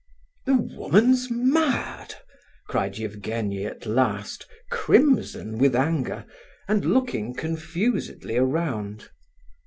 "The woman's mad!" cried Evgenie, at last, crimson with anger, and looking confusedly around.